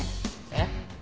えっ？